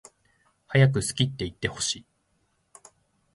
はやく好きっていってほしい